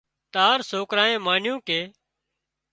تار سوڪرانئي مانيُون ڪي